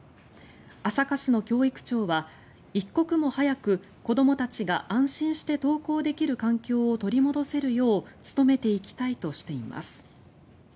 朝霞市の教育長は一刻も早く子どもたちが安心して登校できる環境を取り戻せるよう努めていきたいとしています。